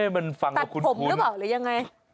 ตัดผมหรือเปล่าหรือยังไง